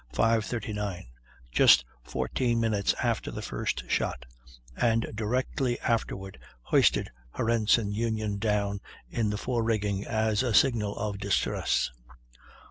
39, just 14 minutes after the first shot; and directly afterward hoisted her ensign union down in the forerigging as a signal of distress.